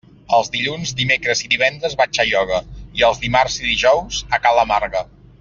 Els dilluns, dimecres i divendres vaig a ioga i els dimarts i dijous a ca la Marga.